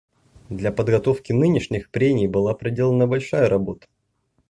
Для подготовки нынешних прений была проделана большая работа.